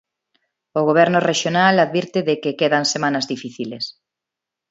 O Goberno rexional advirte de que quedan semanas difíciles.